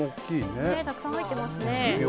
たくさん入ってますね。